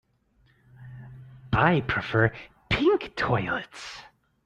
I prefer pink toilets.